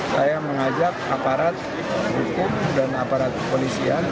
saya mengajak aparat hukum dan aparat polisian